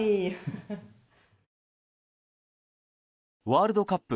ワールドカップ